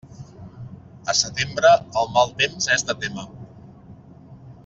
A setembre, el mal temps és de témer.